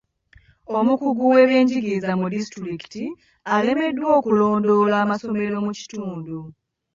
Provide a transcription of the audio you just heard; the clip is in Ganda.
Omukungu w'ebyenjigiriza mu disitulikiti alemereddwa okulondoola amasomero mu kitundu.